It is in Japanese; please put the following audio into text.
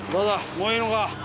もういいのか？